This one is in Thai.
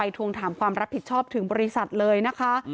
ทวงถามความรับผิดชอบถึงบริษัทเลยนะคะ